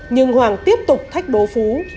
nhưng hoàng tiếp tục thách đố phú